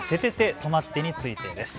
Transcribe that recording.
とまって！についてです。